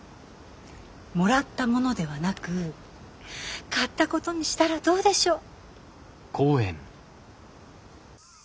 もらったものではなく買ったことにしたらどうでしょう？